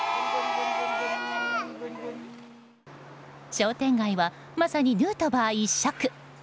商店街はまさにヌートバー一色。